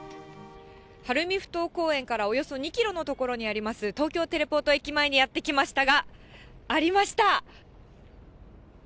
晴海ふ頭公園からおよそ２キロの所にあります、東京テレポート駅前にやって来ましたが、ありました。